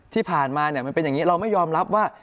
ที่ผ่านมามันเป็นอย่างนี้เราไม่ยอมรับว่า